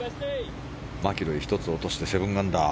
マキロイ１つ落として７アンダー。